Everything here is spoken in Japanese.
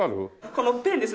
このペンです。